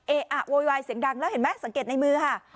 อะโวยวายเสียงดังแล้วเห็นไหมสังเกตในมือค่ะ